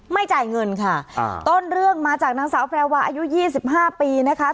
ไม่จ่ายเงินค่ะต้นเรื่องมาจากนางสาวแปลว่าอายุ๒๕ปีนะคะ